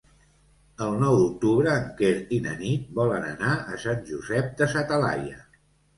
El nou d'octubre en Quer i na Nit volen anar a Sant Josep de sa Talaia.